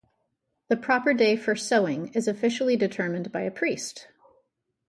The proper day for sowing is officially determined by a priest.